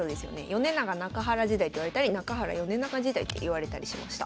米長・中原時代っていわれたり中原・米長時代っていわれたりしました。